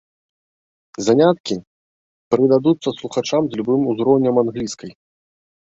Заняткі прыдадуцца слухачам з любым узроўнем англійскай.